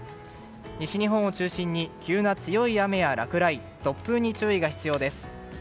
西日本を中心に急な強い雨や落雷突風に注意が必要です。